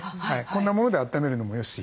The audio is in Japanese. こんなものであっためるのもよし。